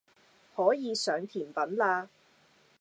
可以上甜品喇